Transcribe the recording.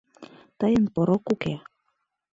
Тыйын порок уке.